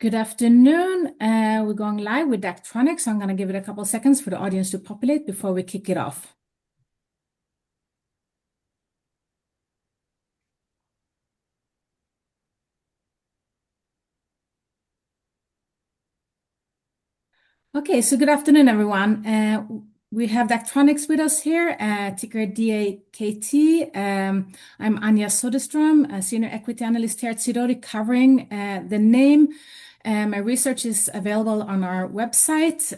Good afternoon. We're going live with Daktronics. I'm going to give it a couple of seconds for the audience to populate before we kick it off. Okay, so good afternoon, everyone. We have Daktronics with us here, ticker DAKT. I'm Anja Soderstrom, a senior equity analyst here at Sidoti, covering the name. My research is available on our website,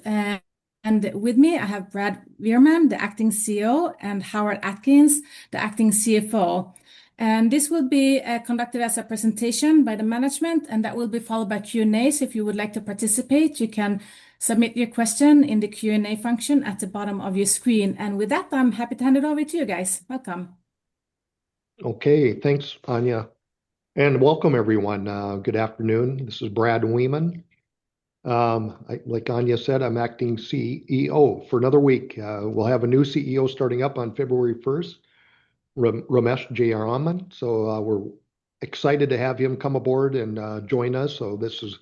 and with me, I have Brad Wiemann, the Acting CEO, and Howard Atkins, the Acting CFO, and this will be conducted as a presentation by the management, and that will be followed by Q&A, so if you would like to participate, you can submit your question in the Q&A function at the bottom of your screen. And with that, I'm happy to hand it over to you guys. Welcome. Okay, thanks, Anja, and welcome, everyone. Good afternoon. This is Brad Wiemann. Like Anja said, I'm acting CEO for another week. We'll have a new CEO starting up on February 1st, Ramesh Jayaraman. So we're excited to have him come aboard and join us, so this is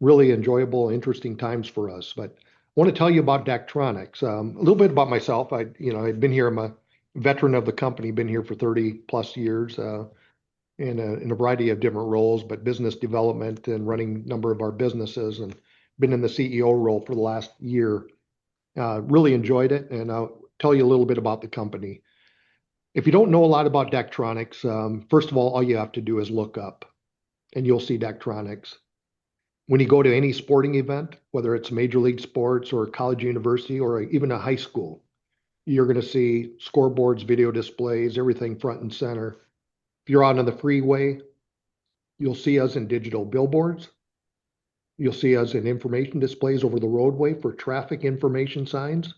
really enjoyable, interesting times for us, but I want to tell you about Daktronics, a little bit about myself. I've been here, I'm a veteran of the company, been here for 30+ years in a variety of different roles, but business development and running a number of our businesses, and been in the CEO role for the last year. Really enjoyed it, and I'll tell you a little bit about the company. If you don't know a lot about Daktronics, first of all, all you have to do is look up and you'll see Daktronics. When you go to any sporting event, whether it's major league sports or college university or even a high school, you're going to see scoreboards, video displays, everything front and center. If you're out on the freeway, you'll see us in digital billboards. You'll see us in information displays over the roadway for traffic information signs.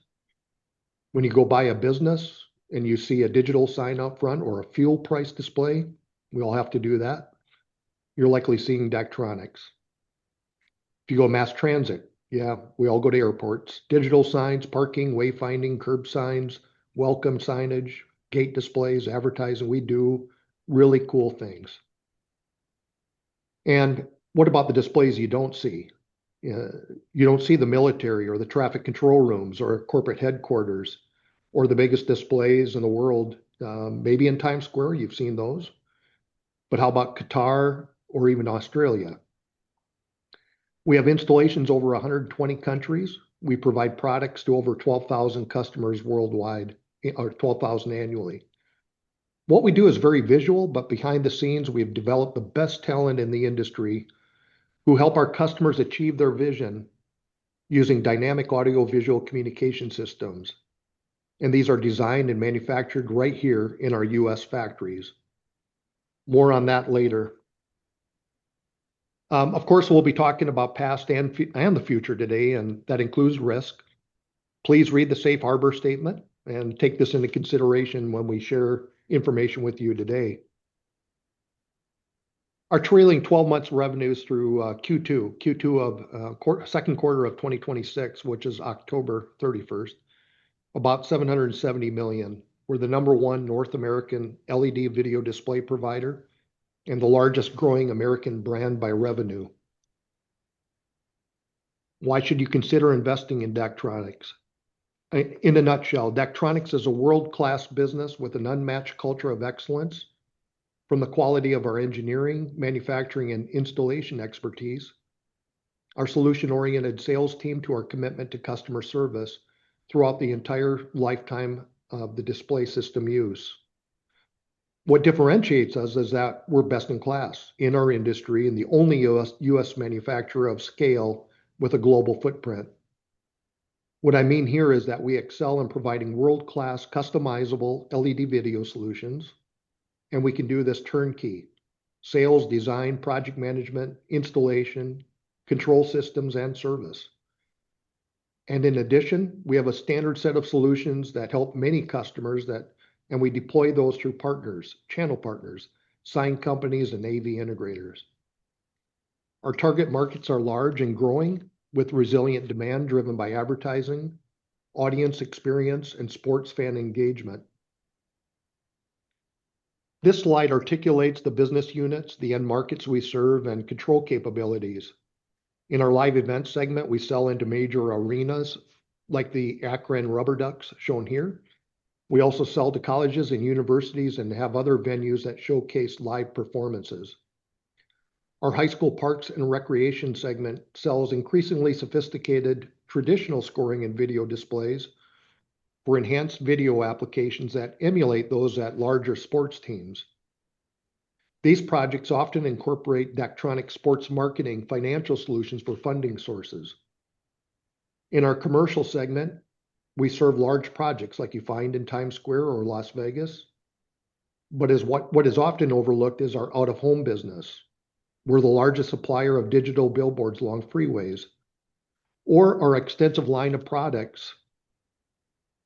When you go by a business and you see a digital sign up front or a fuel price display, we all have to do that. You're likely seeing Daktronics. If you go mass transit, yeah, we all go to airports. Digital signs, parking, wayfinding, curb signs, welcome signage, gate displays, advertising. We do really cool things. What about the displays you don't see? You don't see the military or the traffic control rooms or corporate headquarters or the biggest displays in the world. Maybe in Times Square, you've seen those. But how about Qatar or even Australia? We have installations over 120 countries. We provide products to over 12,000 customers worldwide or 12,000 annually. What we do is very visual, but behind the scenes, we have developed the best talent in the industry who help our customers achieve their vision using dynamic audio-visual communication systems. And these are designed and manufactured right here in our U.S. factories. More on that later. Of course, we'll be talking about past and the future today, and that includes risk. Please read the safe harbor statement and take this into consideration when we share information with you today. Our trailing 12 months revenues through Q2, Q2 of second quarter of 2026, which is October 31st, about $770 million. We're the number one North American LED video display provider and the largest growing American brand by revenue. Why should you consider investing in Daktronics? In a nutshell, Daktronics is a world-class business with an unmatched culture of excellence from the quality of our engineering, manufacturing, and installation expertise, our solution-oriented sales team, to our commitment to customer service throughout the entire lifetime of the display system use. What differentiates us is that we're best in class in our industry and the only U.S. manufacturer of scale with a global footprint. What I mean here is that we excel in providing world-class customizable LED video solutions, and we can do this turnkey: sales, design, project management, installation, control systems, and service, and in addition, we have a standard set of solutions that help many customers, and we deploy those through partners, channel partners, sign companies, and AV integrators. Our target markets are large and growing with resilient demand driven by advertising, audience experience, and sports fan engagement. This slide articulates the business units, the end markets we serve, and control capabilities. In our live events segment, we sell into major arenas like the Akron RubberDucks shown here. We also sell to colleges and universities and have other venues that showcase live performances. Our high school parks and recreation segment sells increasingly sophisticated traditional scoring and video displays for enhanced video applications that emulate those at larger sports teams. These projects often incorporate Daktronics Sports Marketing financial solutions for funding sources. In our commercial segment, we serve large projects like you find in Times Square or Las Vegas. But what is often overlooked is our out-of-home business. We're the largest supplier of digital billboards along freeways or our extensive line of products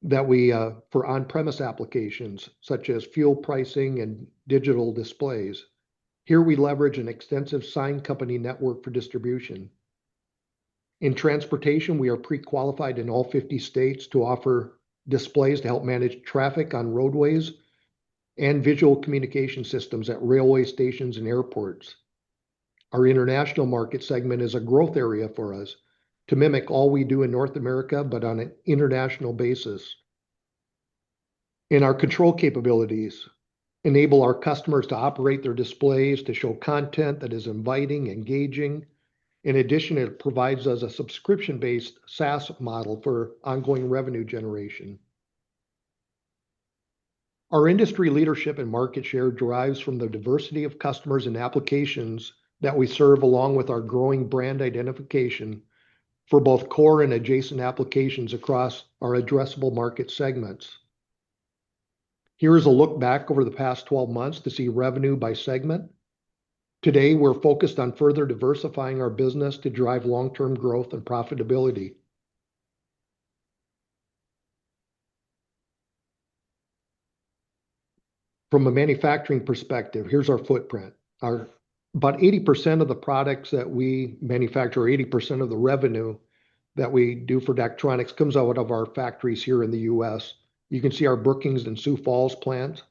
for on-premise applications such as fuel pricing and digital displays. Here, we leverage an extensive sign company network for distribution. In transportation, we are pre-qualified in all 50 states to offer displays to help manage traffic on roadways and visual communication systems at railway stations and airports. Our international market segment is a growth area for us to mimic all we do in North America, but on an international basis. In our control capabilities, enable our customers to operate their displays to show content that is inviting, engaging. In addition, it provides us a subscription-based SaaS model for ongoing revenue generation. Our industry leadership and market share derives from the diversity of customers and applications that we serve along with our growing brand identification for both core and adjacent applications across our addressable market segments. Here is a look back over the past 12 months to see revenue by segment. Today, we're focused on further diversifying our business to drive long-term growth and profitability. From a manufacturing perspective, here's our footprint. About 80% of the products that we manufacture, 80% of the revenue that we do for Daktronics comes out of our factories here in the U.S. You can see our Brookings and Sioux Falls plants.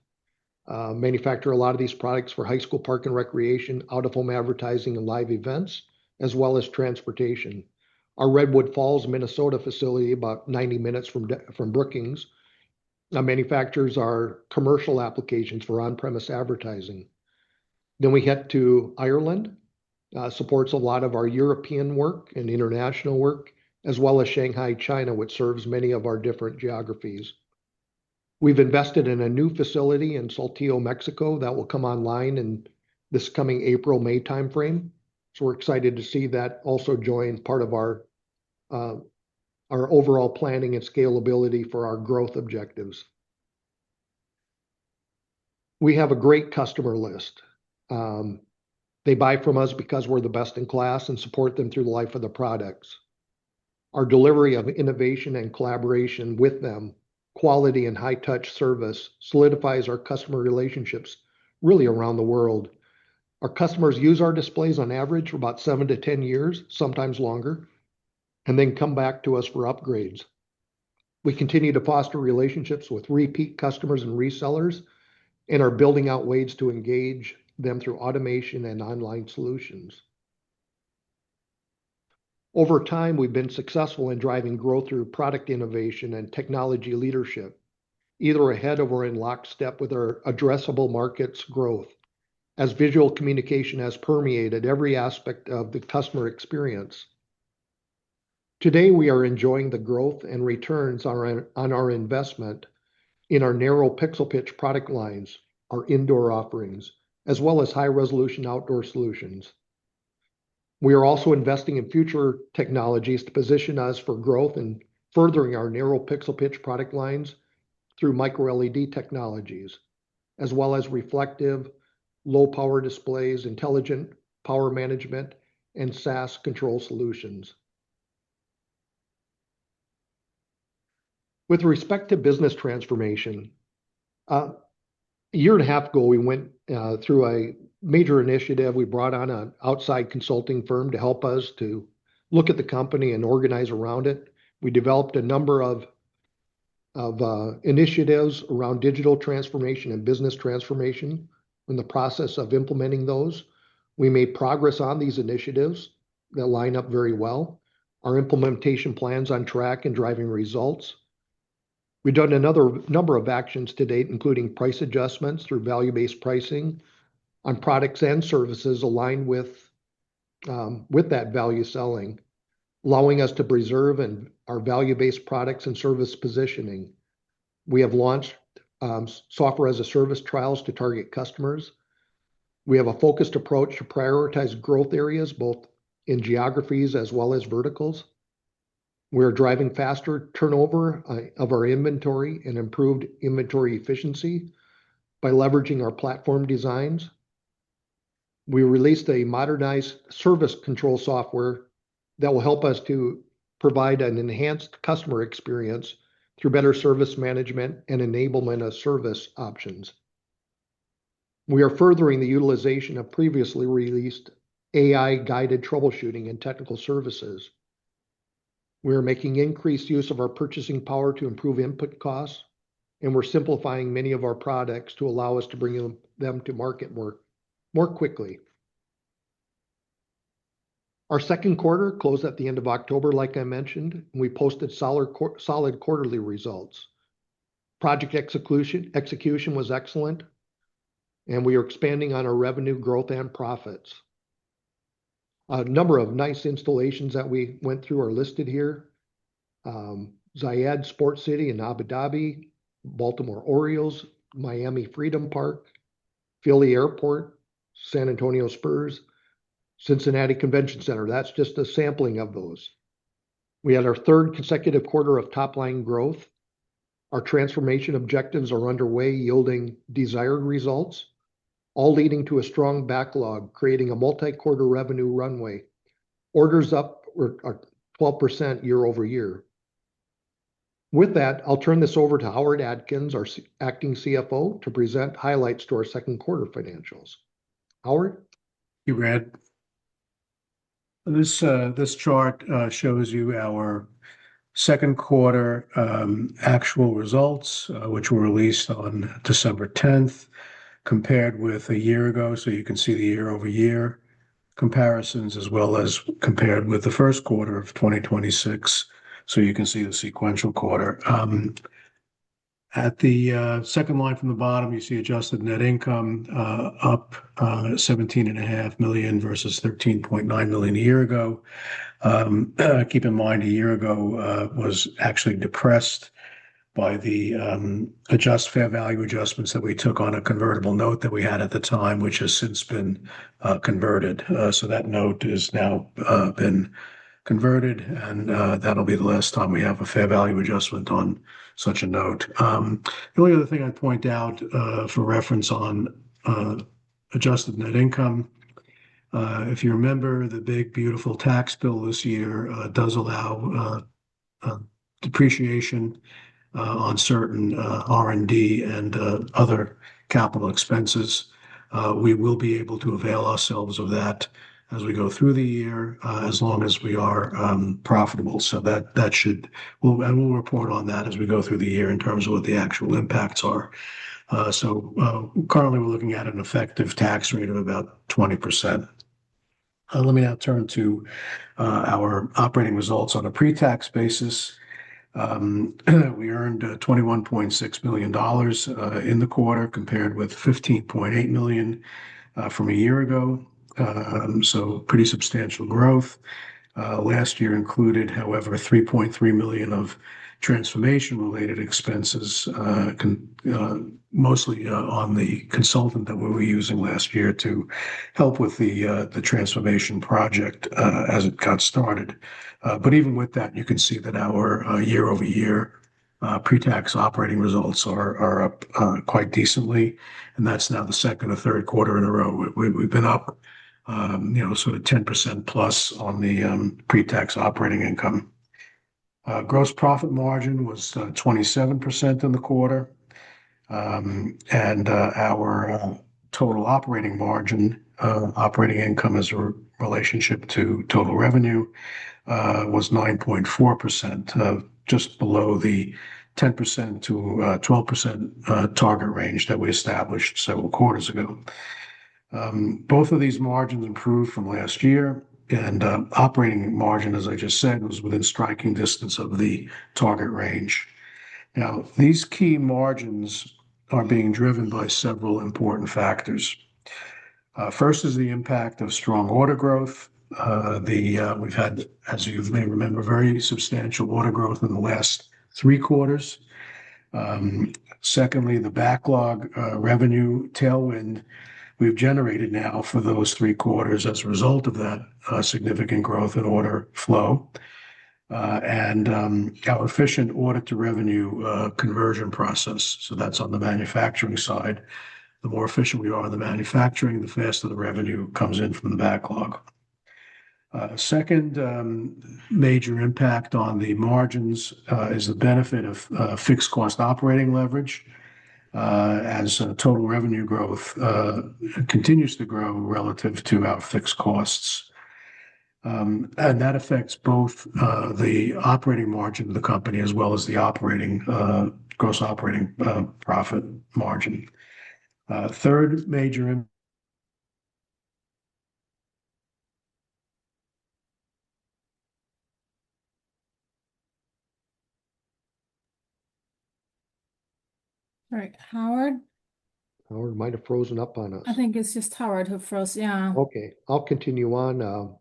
Manufacture a lot of these products for high school park and recreation, out-of-home advertising and live events, as well as transportation. Our Redwood Falls, Minnesota facility, about 90 minutes from Brookings. Manufactures our commercial applications for on-premise advertising. Then we head to Ireland, supports a lot of our European work and international work, as well as Shanghai, China, which serves many of our different geographies. We've invested in a new facility in Saltillo, Mexico, that will come online in this coming April, May timeframe. So we're excited to see that also join part of our overall planning and scalability for our growth objectives. We have a great customer list. They buy from us because we're the best in class and support them through the life of the products. Our delivery of innovation and collaboration with them, quality and high-touch service solidifies our customer relationships really around the world. Our customers use our displays on average for about seven to 10 years, sometimes longer, and then come back to us for upgrades. We continue to foster relationships with repeat customers and resellers and are building out ways to engage them through automation and online solutions. Over time, we've been successful in driving growth through product innovation and technology leadership, either ahead of or in lockstep with our addressable markets growth, as visual communication has permeated every aspect of the customer experience. Today, we are enjoying the growth and returns on our investment in our narrow pixel pitch product lines, our indoor offerings, as well as high-resolution outdoor solutions. We are also investing in future technologies to position us for growth and furthering our narrow pixel pitch product lines through micro-LED technologies, as well as reflective, low-power displays, intelligent power management, and SaaS control solutions. With respect to business transformation, a year and a half ago, we went through a major initiative. We brought on an outside consulting firm to help us to look at the company and organize around it. We developed a number of initiatives around digital transformation and business transformation in the process of implementing those. We made progress on these initiatives that line up very well. Our implementation plans on track and driving results. We've done another number of actions to date, including price adjustments through value-based pricing on products and services aligned with that value selling, allowing us to preserve our value-based products and service positioning. We have launched software as a service trials to target customers. We have a focused approach to prioritize growth areas both in geographies as well as verticals. We are driving faster turnover of our inventory and improved inventory efficiency by leveraging our platform designs. We released a modernized service control software that will help us to provide an enhanced customer experience through better service management and enablement of service options. We are furthering the utilization of previously released AI-guided troubleshooting and technical services. We are making increased use of our purchasing power to improve input costs, and we're simplifying many of our products to allow us to bring them to market more quickly. Our second quarter closed at the end of October, like I mentioned, and we posted solid quarterly results. Project execution was excellent, and we are expanding on our revenue, growth, and profits. A number of nice installations that we went through are listed here: Zayed Sports City in Abu Dhabi, Baltimore Orioles, Miami Freedom Park, Philly Airport, San Antonio Spurs, Cincinnati Convention Center. That's just a sampling of those. We had our third consecutive quarter of top-line growth. Our transformation objectives are underway, yielding desired results, all leading to a strong backlog, creating a multi-quarter revenue runway. Orders up are 12% year-over-year. With that, I'll turn this over to Howard Atkins, our Acting CFO, to present highlights to our second quarter financials. Howard? Thank you, Brad. This chart shows you our second quarter actual results, which were released on December 10th, compared with a year ago. You can see the year-over-year comparisons, as well as compared with the first quarter of 2026. You can see the sequential quarter. At the second line from the bottom, you see adjusted net income up $17.5 million versus $13.9 million a year ago. Keep in mind, a year ago was actually depressed by the adjusted fair value adjustments that we took on a convertible note that we had at the time, which has since been converted. That note has now been converted, and that'll be the last time we have a fair value adjustment on such a note. The only other thing I'd point out for reference on adjusted net income, if you remember the big, beautiful tax bill this year does allow depreciation on certain R&D and other capital expenses. We will be able to avail ourselves of that as we go through the year as long as we are profitable. So that should, and we'll report on that as we go through the year in terms of what the actual impacts are. So currently, we're looking at an effective tax rate of about 20%. Let me now turn to our operating results on a pre-tax basis. We earned $21.6 million in the quarter compared with $15.8 million from a year ago. So pretty substantial growth. Last year included, however, $3.3 million of transformation-related expenses, mostly on the consultant that we were using last year to help with the transformation project as it got started. But even with that, you can see that our year-over-year pre-tax operating results are up quite decently. And that's now the second or third quarter in a row. We've been up sort of 10% plus on the pre-tax operating income. Gross profit margin was 27% in the quarter, and our total operating margin, operating income as a relationship to total revenue, was 9.4%, just below the 10%-12% target range that we established several quarters ago. Both of these margins improved from last year, and operating margin, as I just said, was within striking distance of the target range. Now, these key margins are being driven by several important factors. First is the impact of strong order growth. We've had, as you may remember, very substantial order growth in the last three quarters. Secondly, the backlog revenue tailwind we've generated now for those three quarters as a result of that significant growth in order flow and our efficient order-to-revenue conversion process. So that's on the manufacturing side. The more efficient we are in the manufacturing, the faster the revenue comes in from the backlog. Second major impact on the margins is the benefit of fixed-cost operating leverage as total revenue growth continues to grow relative to our fixed costs. And that affects both the operating margin of the company as well as the gross operating profit margin. Third major. All right. Howard? Howard might have frozen up on us. I think it's just Howard who froze. Yeah. Okay. I'll continue on.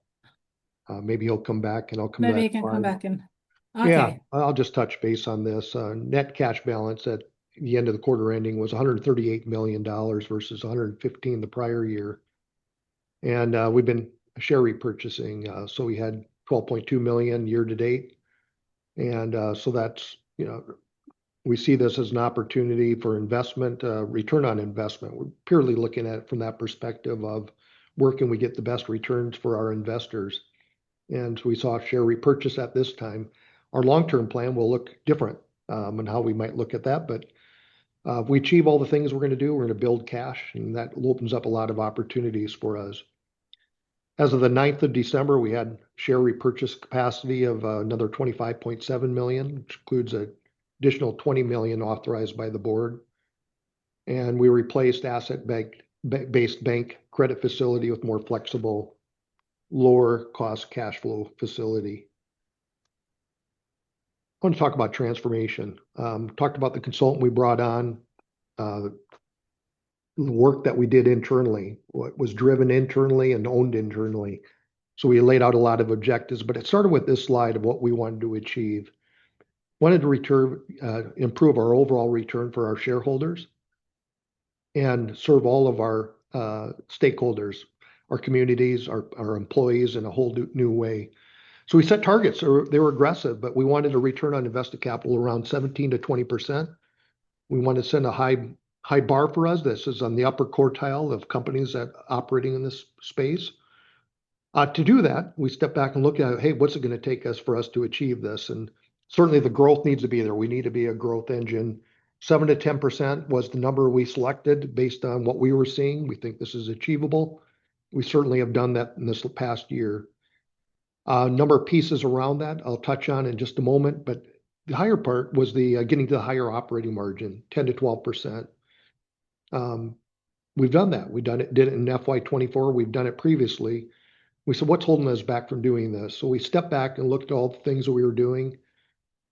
Maybe he'll come back, and I'll come back. Maybe he can come back in. Yeah. I'll just touch base on this. Net cash balance at the end of the quarter ending was $138 million versus $115 million the prior year. And we've been share repurchasing. So we had 12.2 million year-to-date. And so we see this as an opportunity for investment, return on investment. We're purely looking at it from that perspective of where can we get the best returns for our investors. And we saw share repurchase at this time. Our long-term plan will look different on how we might look at that. But if we achieve all the things we're going to do, we're going to build cash, and that opens up a lot of opportunities for us. As of the 9th of December, we had share repurchase capacity of another 25.7 million, which includes an additional 20 million authorized by the board. And we replaced asset-based bank credit facility with more flexible, lower-cost cash flow facility. I want to talk about transformation. Talked about the consultant we brought on, the work that we did internally, what was driven internally and owned internally. So we laid out a lot of objectives, but it started with this slide of what we wanted to achieve. Wanted to improve our overall return for our shareholders and serve all of our stakeholders, our communities, our employees in a whole new way. So we set targets. They were aggressive, but we wanted a return on invested capital around 17%-20%. We wanted to set a high bar for us. This is on the upper quartile of companies that are operating in this space. To do that, we stepped back and looked at, "Hey, what's it going to take us for us to achieve this?" And certainly, the growth needs to be there. We need to be a growth engine. 7%-10% was the number we selected based on what we were seeing. We think this is achievable. We certainly have done that in this past year. A number of pieces around that I'll touch on in just a moment, but the higher part was getting to the higher operating margin, 10%-12%. We've done that. We did it in FY24. We've done it previously. We said, "What's holding us back from doing this?" So we stepped back and looked at all the things that we were doing.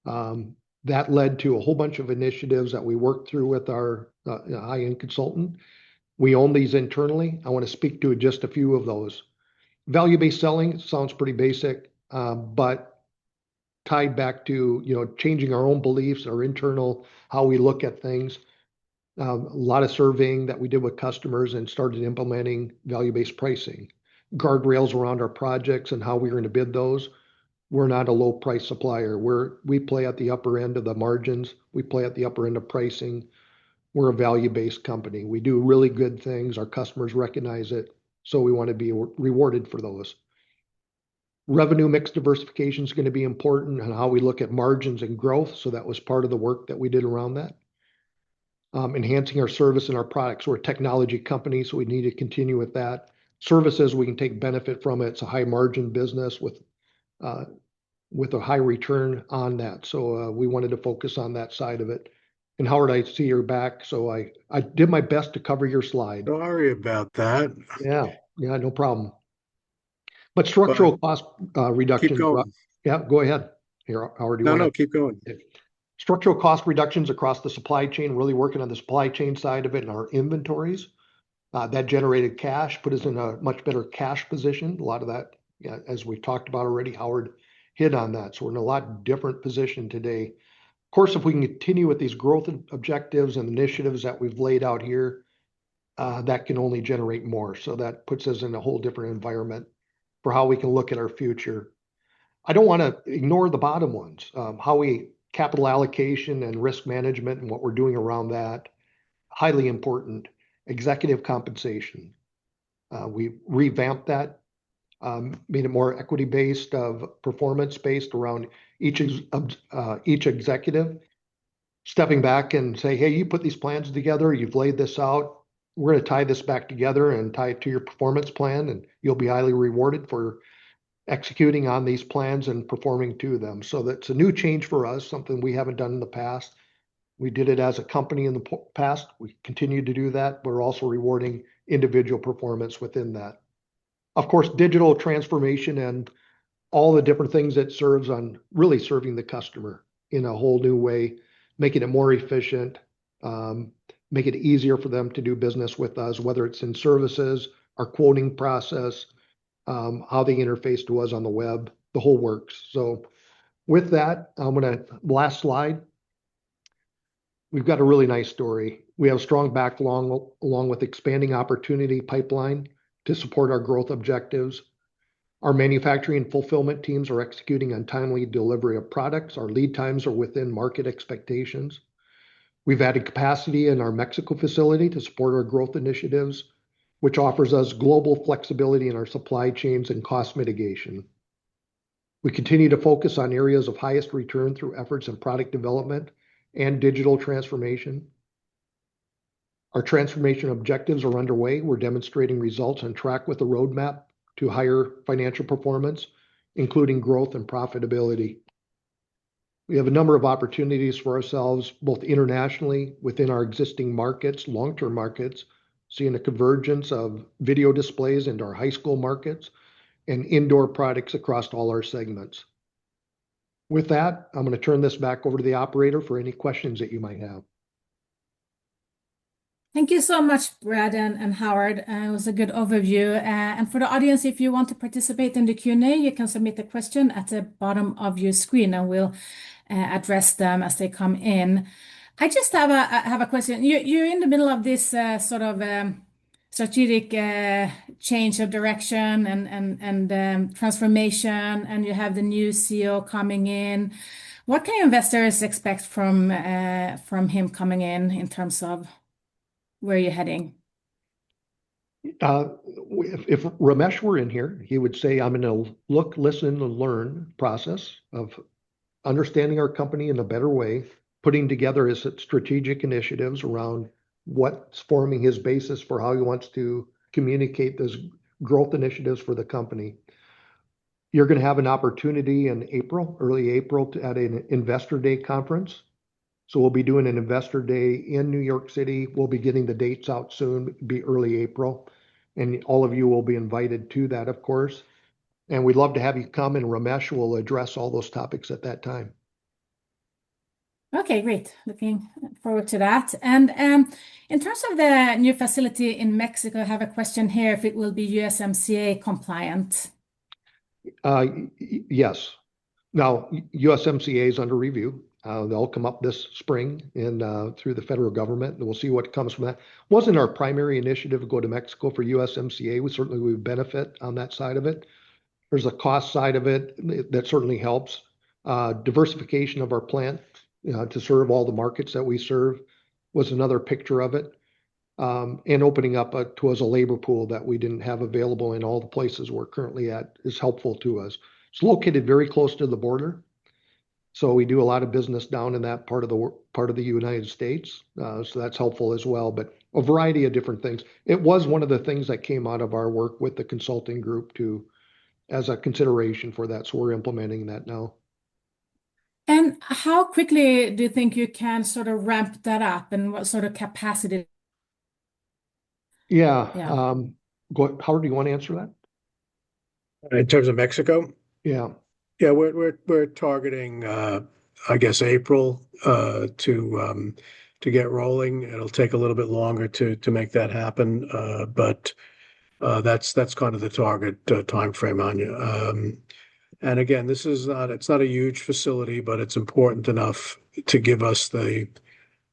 That led to a whole bunch of initiatives that we worked through with our high-end consultant. We own these internally. I want to speak to just a few of those. Value-based selling sounds pretty basic, but tied back to changing our own beliefs, our internal, how we look at things. A lot of surveying that we did with customers and started implementing value-based pricing, guardrails around our projects and how we're going to bid those. We're not a low-price supplier. We play at the upper end of the margins. We play at the upper end of pricing. We're a value-based company. We do really good things. Our customers recognize it. So we want to be rewarded for those. Revenue mix diversification is going to be important on how we look at margins and growth. So that was part of the work that we did around that. Enhancing our service and our products. We're a technology company, so we need to continue with that. Services, we can take benefit from it. It's a high-margin business with a high return on that. So we wanted to focus on that side of it. And Howard, I see you're back. So I did my best to cover your slide. Sorry about that. Yeah. Yeah. No problem. But structural cost reductions. Keep going. Yeah. Go ahead. Howard, you want to. No, no. Keep going. Structural cost reductions across the supply chain, really working on the supply chain side of it and our inventories. That generated cash, put us in a much better cash position. A lot of that, as we've talked about already, Howard hit on that. So we're in a lot different position today. Of course, if we can continue with these growth objectives and initiatives that we've laid out here, that can only generate more. So that puts us in a whole different environment for how we can look at our future. I don't want to ignore the bottom ones. Capital allocation and risk management and what we're doing around that, highly important. Executive compensation. We revamped that, made it more equity-based or performance-based around each executive. Stepping back and say, "Hey, you put these plans together. You've laid this out. We're going to tie this back together and tie it to your performance plan, and you'll be highly rewarded for executing on these plans and performing to them. So it's a new change for us, something we haven't done in the past. We did it as a company in the past. We continue to do that. We're also rewarding individual performance within that. Of course, digital transformation and all the different things that serves on really serving the customer in a whole new way, making it more efficient, make it easier for them to do business with us, whether it's in services, our quoting process, how the interface was on the web, the whole works. So with that, I'm going to last slide. We've got a really nice story. We have a strong backlog along with expanding opportunity pipeline to support our growth objectives. Our manufacturing and fulfillment teams are executing on timely delivery of products. Our lead times are within market expectations. We've added capacity in our Mexico facility to support our growth initiatives, which offers us global flexibility in our supply chains and cost mitigation. We continue to focus on areas of highest return through efforts in product development and digital transformation. Our transformation objectives are underway. We're demonstrating results and track with the roadmap to higher financial performance, including growth and profitability. We have a number of opportunities for ourselves, both internationally, within our existing markets, long-term markets, seeing a convergence of video displays into our high school markets and indoor products across all our segments. With that, I'm going to turn this back over to the operator for any questions that you might have. Thank you so much, Brad and Howard. It was a good overview. For the audience, if you want to participate in the Q&A, you can submit the question at the bottom of your screen, and we'll address them as they come in. I just have a question. You're in the middle of this sort of strategic change of direction and transformation, and you have the new CEO coming in. What can investors expect from him coming in in terms of where you're heading? If Ramesh were in here, he would say, "I'm in a look, listen, and learn process of understanding our company in a better way, putting together his strategic initiatives around what's forming his basis for how he wants to communicate those growth initiatives for the company." You're going to have an opportunity in April, early April, at an Investor Day conference, so we'll be doing an Investor Day in New York City. We'll be getting the dates out soon. It'll be early April. And all of you will be invited to that, of course. And we'd love to have you come, and Ramesh will address all those topics at that time. Okay. Great. Looking forward to that. And in terms of the new facility in Mexico, I have a question here if it will be USMCA compliant. Yes. Now, USMCA is under review. They'll come up this spring through the federal government, and we'll see what comes from that. It wasn't our primary initiative to go to Mexico for USMCA. Certainly, we would benefit on that side of it. There's a cost side of it that certainly helps. Diversification of our plant to serve all the markets that we serve was another picture of it. Opening up to us a labor pool that we didn't have available in all the places we're currently at is helpful to us. It's located very close to the border. We do a lot of business down in that part of the United States. That's helpful as well. A variety of different things. It was one of the things that came out of our work with the consulting group as a consideration for that. We're implementing that now. How quickly do you think you can sort of ramp that up and what sort of capacity? Yeah. Howard, do you want to answer that? In terms of Mexico? Yeah. Yeah. We're targeting, I guess, April to get rolling. It'll take a little bit longer to make that happen. That's kind of the target timeframe on you. And again, it's not a huge facility, but it's important enough to give us the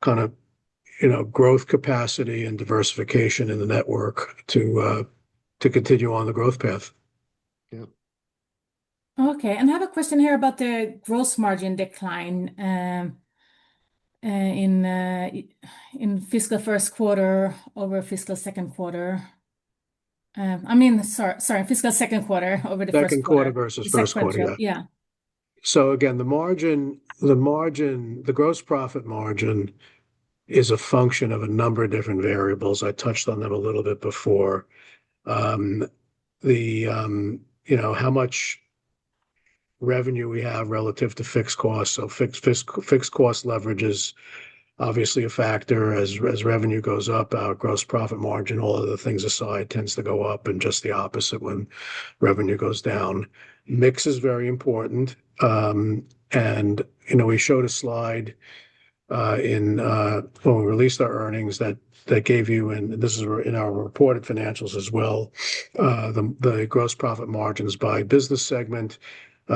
kind of growth capacity and diversification in the network to continue on the growth path. Yeah. Okay. And I have a question here about the gross margin decline in fiscal first quarter over fiscal second quarter. I mean, sorry, fiscal second quarter over the first quarter. Second quarter versus first quarter. Yeah. So again, the gross profit margin is a function of a number of different variables. I touched on them a little bit before. How much revenue we have relative to fixed costs. So fixed cost leverage is obviously a factor. As revenue goes up, our gross profit margin, all of the things aside, tends to go up, and just the opposite when revenue goes down. Mix is very important. And we showed a slide when we released our earnings that gave you, and this is in our reported financials as well, the gross profit margins by business segment,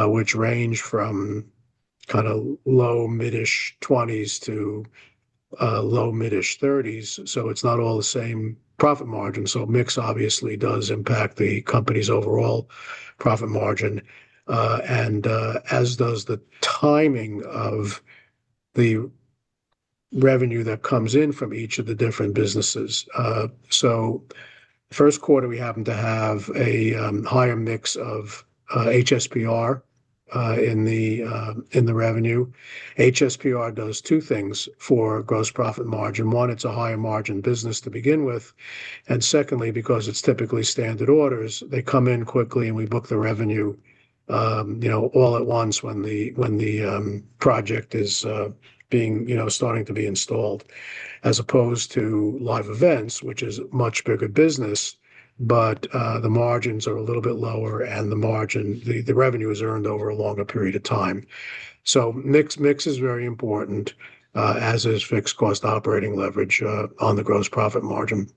which range from kind of low-mid-ish 20s% to low-mid-ish 30s%. So it's not all the same profit margin. So mix obviously does impact the company's overall profit margin, and as does the timing of the revenue that comes in from each of the different businesses. So first quarter, we happen to have a higher mix of HSPR in the revenue. HSPR does two things for gross profit margin. One, it's a higher margin business to begin with. Secondly, because it's typically standard orders, they come in quickly, and we book the revenue all at once when the project is starting to be installed, as opposed to live events, which is a much bigger business, but the margins are a little bit lower, and the revenue is earned over a longer period of time. Mix is very important, as is fixed cost operating leverage on the gross profit margin.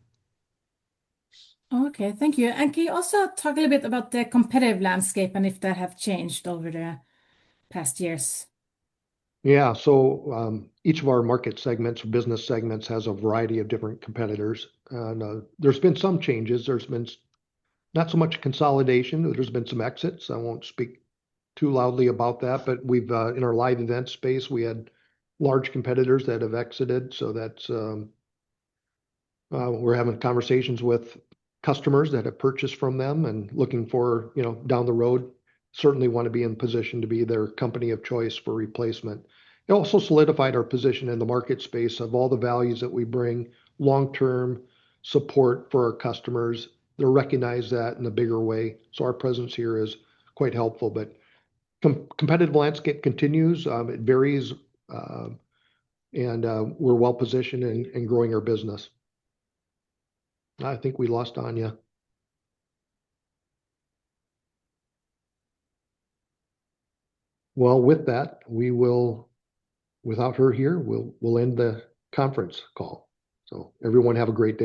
Okay. Thank you. And can you also talk a little bit about the competitive landscape and if that has changed over the past years? Yeah. Each of our market segments, business segments, has a variety of different competitors. There's been some changes. There's been not so much consolidation. There's been some exits. I won't speak too loudly about that, but in our live event space, we had large competitors that have exited. So we're having conversations with customers that have purchased from them and looking for down the road. Certainly want to be in position to be their company of choice for replacement. It also solidified our position in the market space of all the values that we bring, long-term support for our customers. They'll recognize that in a bigger way. So our presence here is quite helpful. But competitive landscape continues. It varies, and we're well-positioned in growing our business. I think we lost Anja. Well, with that, without her here, we'll end the conference call. So everyone have a great day.